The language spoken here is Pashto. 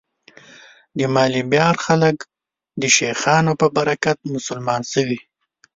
د مالیبار خلک د شیخانو په برکت مسلمان شوي.